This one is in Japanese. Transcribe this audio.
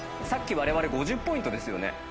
さっきわれわれ５０ポイントですよね。